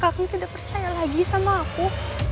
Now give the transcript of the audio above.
kang apakah kau tidak percaya lagi sama aku